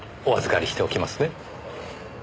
お預りしておきますね。